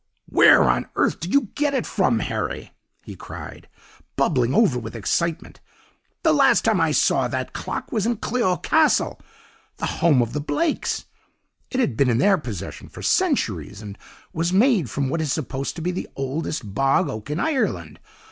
'Where on earth did you get it from, Harry?' he cried, bubbling over with excitement. 'The last time I saw that clock was in Kleogh Castle, the home of the Blakes. It had been in their possession for centuries, and was made from what is supposed to be the oldest bog oak in Ireland.